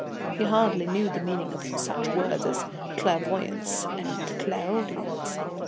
He hardly knew the meaning of such words as "clairvoyance" and "clairaudience."